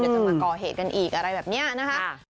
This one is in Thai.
เดี๋ยวจะมาก่อเหตุกันอีกอะไรแบบเนี่ยนะคะ